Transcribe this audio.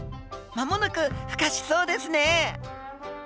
まもなく孵化しそうですね。